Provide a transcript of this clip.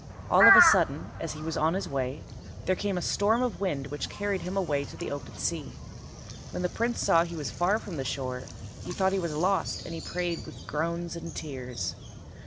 All of a sudden, as he was on his way, there came on a storm of wind which carried him away to the open sea. When the Prince saw he was far from the shore he thought he was lost, and he prayed with groans and tears.